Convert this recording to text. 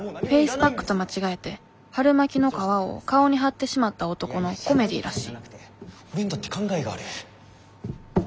フェイスパックと間違えて春巻きの皮を顔に貼ってしまった男のコメディーらしい俺にだって考えがある。